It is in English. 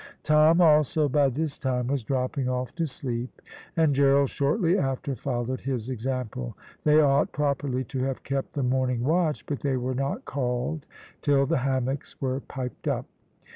Tom also by this time was dropping off to sleep, and Gerald shortly after followed his example. They ought properly to have kept the morning watch, but they were not called till the hammocks were piped up.